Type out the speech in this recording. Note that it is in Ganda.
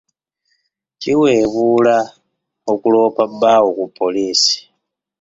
Kiweebuula okuloopa bbaawo ku poliisi.